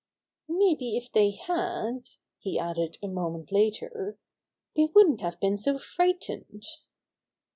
"Maybe if they had," he added a moment later, "they wouldn't have been so fright ened."